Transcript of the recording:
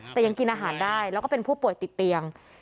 แต่ยังกินอาหารได้แล้วก็เป็นผู้ป่วยติดเตียง